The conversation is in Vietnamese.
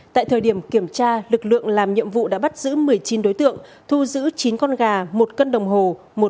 tại thời điểm kiểm tra lực lượng làm nhiệm vụ đã bắt giữ một mươi chín đối tượng thu giữ chín con gà một cân đồng hồ